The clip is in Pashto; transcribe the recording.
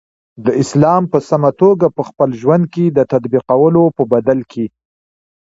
د اسلام په سمه توګه په خپل ژوند کی د تطبیقولو په بدل کی